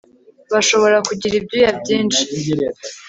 bashobora kugira ibyuya byinshi